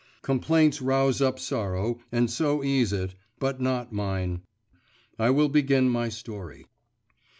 Complaints rouse up sorrow and so ease it, but not mine. I will begin my story.